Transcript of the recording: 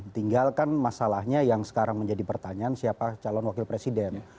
tinggalkan masalahnya yang sekarang menjadi pertanyaan siapa calon wakil presiden